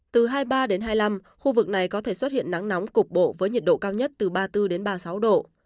từ hai mươi ba đến hai mươi năm khu vực này có thể xuất hiện nắng nóng cục bộ với nhiệt độ cao nhất từ ba mươi bốn đến ba mươi sáu độ